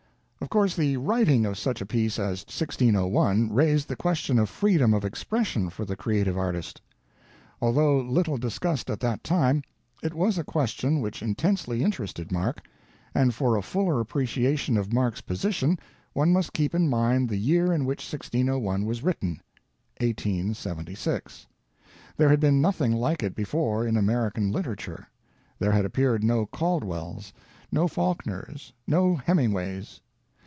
Of course, the writing of such a piece as 1601 raised the question of freedom of expression for the creative artist. Although little discussed at that time, it was a question which intensely interested Mark, and for a fuller appreciation of Mark's position one must keep in mind the year in which 1601 was written, 1876. There had been nothing like it before in American literature; there had appeared no Caldwells, no Faulkners, no Hemingways.